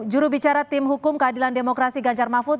jurubicara tim hukum keadilan demokrasi ganjar mahfud